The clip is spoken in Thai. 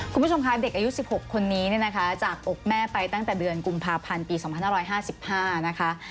คุณผู้ชมค่ะเด็กอายุสิบหกคนนี้เนี่ยนะคะจากอกแม่ไปตั้งแต่เดือนกุมภาพันธ์ปีสองพันห้าร้อยห้าสิบห้านะคะ